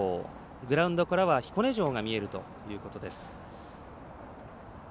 グラウンドからは彦根城が見えるということです。